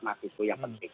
masih itu yang penting